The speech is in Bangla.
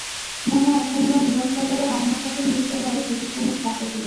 মুন্না স্থানীয় মিলন বাজারের আমেনা খাতুন বিদ্যালয়ের শিশু শ্রেণির ছাত্র ছিল।